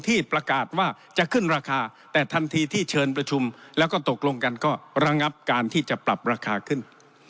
ที่ประกาศว่าจะขึ้นราคาแต่ทันทีที่เชิญประชุมแล้วก็ตกลงกันก็ระงับการที่จะปรับราคาขึ้น